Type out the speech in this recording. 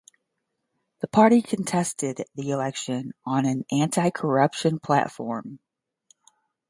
The party contested the election on an anti-corruption platform.